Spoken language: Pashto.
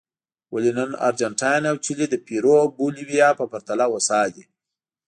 ولې نن ارجنټاین او چیلي د پیرو او بولیویا په پرتله هوسا دي.